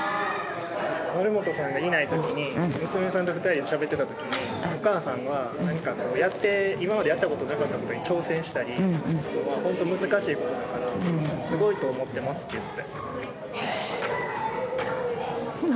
丸本さんがいないときに娘さんと２人でしゃべってたときに「お母さんは今までやったことがなかったことに挑戦したり本当難しいことやからすごいと思ってます」って言ってましたよ。